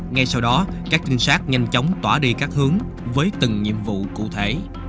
ngay sau đó các trinh sát nhanh chóng tỏa đi các hướng với từng nhiệm vụ cụ thể